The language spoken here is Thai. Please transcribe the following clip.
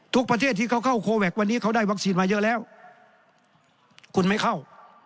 ประเทศที่เขาเข้าโคแวควันนี้เขาได้วัคซีนมาเยอะแล้วคุณไม่เข้า